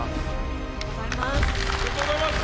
ありがとうございます。